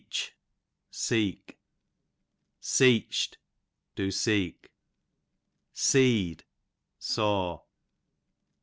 Seech, seek. Seech'd, do seek. Seed, saw.